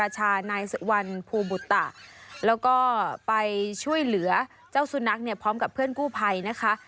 เจ้าซูนักเนี่ยพร้อมกับเพื่อนกู้ภัยนะคะ